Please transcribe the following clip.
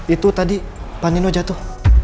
itu tadi pak nino jatuh